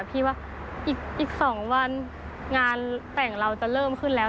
พี่ว่าอีก๒วันงานแต่งเราจะเริ่มขึ้นแล้ว